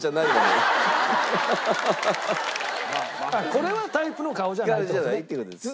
これはタイプの顔じゃないって事ね。